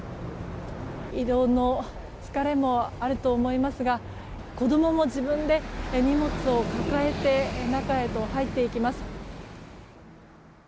移動の疲れもあると思いますが子供も自分で荷物を抱えて中へと入っていきます。